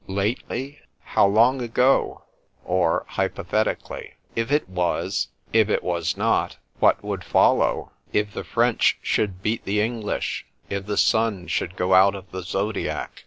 Lately? How long ago?_—Or hypothetically,—If it was? If it was not? What would follow?—If the French should beat the English? If the Sun go out of the _Zodiac?